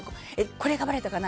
これがばれたかな？